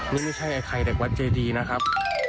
นี่ไม่ใช่ใครแต่วัตต์เจดีนะครับ